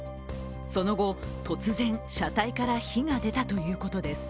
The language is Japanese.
その後、突然、車体から火が出たということです